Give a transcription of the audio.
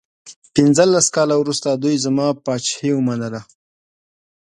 پنځلس کاله وروسته دوی زما پاچهي ومنله.